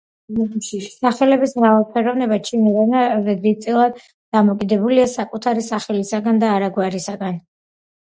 სახელების მრავალფეროვნება ჩინურ ენაზე დიდწილად დამოკიდებულია საკუთარი სახელისაგან და არა გვარისგან.